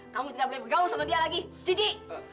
kamu tidak boleh bergaul sama dia lagi cici